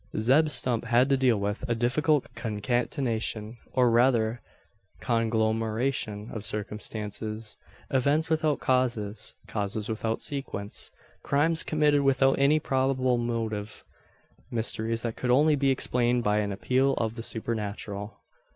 Zeb Stump had to deal with, a difficult concatenation or rather conglomeration of circumstances events without causes causes without sequence crimes committed without any probable motive mysteries that could only be explained by an appeal to the supernatural.